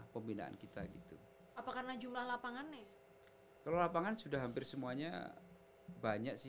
pembinaan kita gitu apa karena jumlah lapangannya kalau lapangan sudah hampir semuanya banyak sih